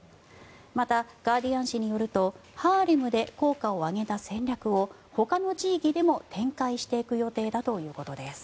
また、ガーディアン紙によるとハーレムで効果を上げた戦略をほかの地域でも展開していく予定だということです。